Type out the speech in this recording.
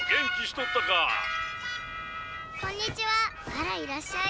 「あらいらっしゃい」。